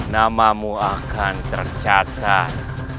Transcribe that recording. namamu akan tercatat